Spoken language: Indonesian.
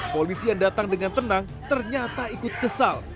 polisi yang datang dengan tenang ternyata ikut kesal